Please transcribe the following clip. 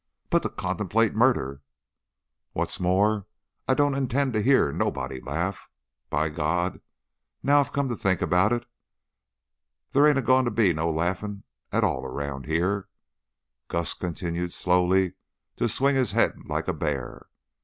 "But to contemplate murder " "What's more, I don't intend to hear nobody laugh. By God! Now I come to think about it, there ain't a goin' to be no laughing at all around here." Gus continued slowly to swing his head, like a bear.